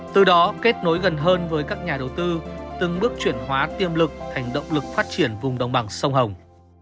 từ đó kết nối gần hơn với các nhà đầu tư từng bước chuyển hóa tiêm lực thành động lực phát triển vùng đồng bằng sông hồng